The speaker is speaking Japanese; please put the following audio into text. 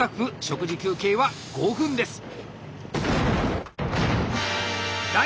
食事休憩は５分です。